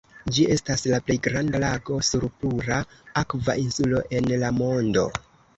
Ĝi estas la plej granda lago sur pura akva insulo en la mondo.